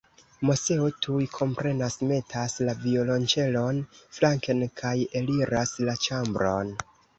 Moseo tuj komprenas, metas la violonĉelon flanken kaj eliras la ĉambron.